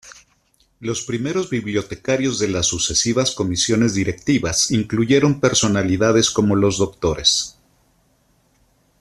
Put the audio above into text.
Los primeros bibliotecarios de las sucesivas Comisiones Directivas incluyeron personalidades como los Dres.